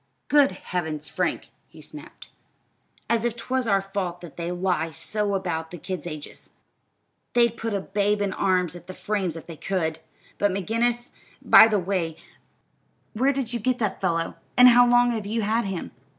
"Good heavens, Frank," he snapped; "as if 'twas our fault that they lie so about the kids' ages! They'd put a babe in arms at the frames if they could. But McGinnis by the way, where did you get that fellow? and how long have you had him?